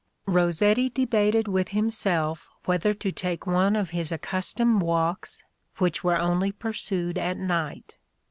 Rossetti debated with himself whether to take one of his accustomed walks, which were only pursued at night.